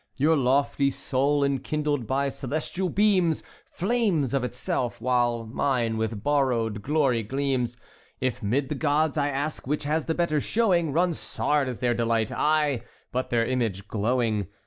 Your lofty soul, enkindled by celestial beams, Flames of itself, while mine with borrowed glory gleams. If 'mid the gods I ask which has the better showing, Ronsard is their delight: I, but their image glowing.